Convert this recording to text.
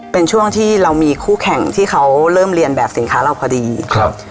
เป็นช่วงที่เรามีคู่แข่งที่เขาเริ่มเรียนแบบสินค้าเราพอดีครับ